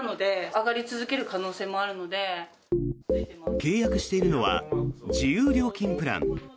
契約しているのは自由料金プラン。